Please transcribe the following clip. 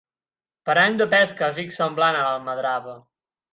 Parany de pesca fix semblant a l'almadrava.